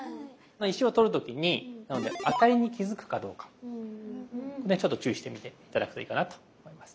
石を取る時になのでアタリに気づくかどうかねちょっと注意してみて頂くといいかなと思いますね。